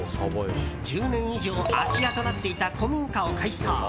１０年以上、空き家となっていた古民家を改装。